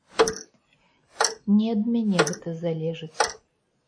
Не ад мяне гэта залежыць.